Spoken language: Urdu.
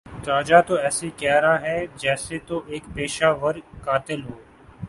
جاجا تو ایسے کہ رہا ہے جیسے تو ایک پیشہ ور قاتل ہو